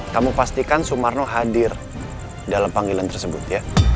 kamu pastikan sumarno hadir dalam panggilan tersebut ya